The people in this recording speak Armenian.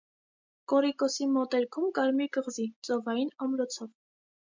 Կոռիկոսի մոտերքում կար մի կղզի՝ ծովային ամրոցով։